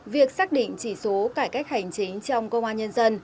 việc xác định chỉ số cải cách hành chính trong công an nhân dân